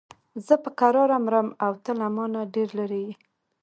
زه په کراره مرم او ته له مانه ډېر لرې یې.